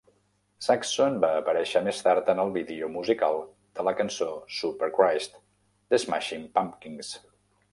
Saxon va aparèixer més tard en el vídeo musical de la cançó "Superchrist" de Smashing Pumpkins.